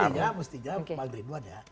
tapi mestinya mestinya pak dwi buat ya